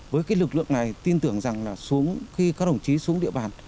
với cái lực lượng này tin tưởng rằng là xuống khi các đồng chí xuống địa bàn